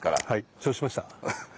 承知しました。